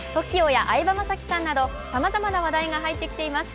ＴＯＫＩＯや相葉雅紀さんなどさまざまな話題が入ってきています。